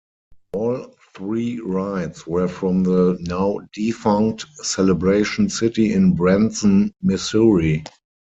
All three rides were from the now defunct Celebration City in Branson, Missouri.